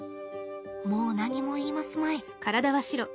もう何も言いますまい。